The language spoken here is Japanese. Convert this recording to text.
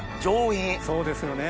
そうですよね。